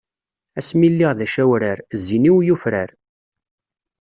Asmi i lliɣ d acawrar, zzin-iw yufrar.